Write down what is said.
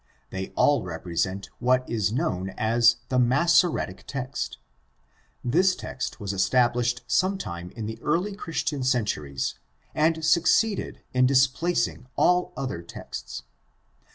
They all represent what is known as the Massoretic text. This text was established some time in the early Christian centuries and succeeded in displacing all other texts.